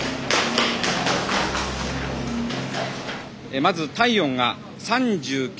まず体温が３９．２度。